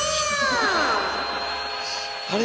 あれ？